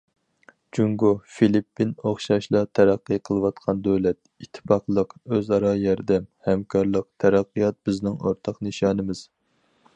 جۇڭگو- فىلىپپىن ئوخشاشلا تەرەققىي قىلىۋاتقان دۆلەت، ئىتتىپاقلىق، ئۆزئارا ياردەم، ھەمكارلىق، تەرەققىيات بىزنىڭ ئورتاق نىشانىمىز.